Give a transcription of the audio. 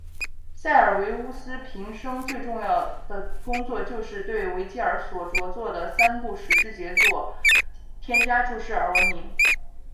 塞尔维乌斯平生最为重要的工作就是对维吉尔所着作的三部史诗杰作添加注释而闻名。